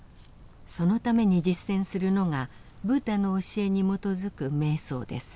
そのために実践するのがブッダの教えに基づく瞑想です。